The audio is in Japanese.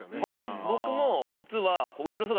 僕も実は。